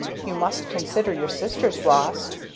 You must consider your sisters, Ross!